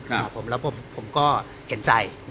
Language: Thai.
แล้วผม้วเชียวใจ